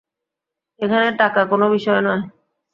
এখানে টাকা কোনও বিষয় নয়।